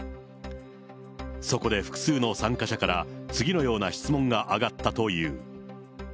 そこで複数の参加者から、次のような質問が上がったという。